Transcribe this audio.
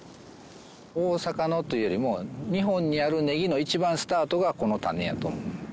大阪のというよりも日本にあるネギの一番スタートがこのタネやと思う。